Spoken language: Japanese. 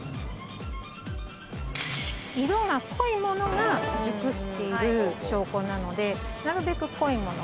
色が濃いものが熟している証拠なのでなるべく濃いもの。